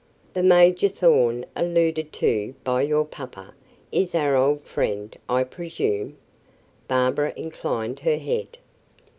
"The Major Thorn alluded to by your papa is our old friend, I presume?" Barbara inclined her head.